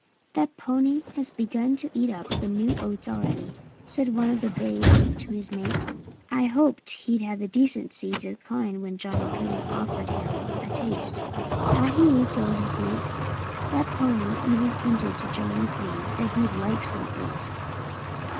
"That pony has begun to eat up the new oats already," said one of the bays to his mate. "I hoped he'd have the decency to decline them when Johnnie Green offered him a taste." "Not he!" groaned his mate. "That pony even hinted to Johnnie Green that he'd like some oats.